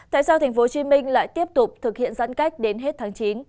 tại sao tp hcm lại tiếp tục thực hiện giãn cách đến hết tháng chín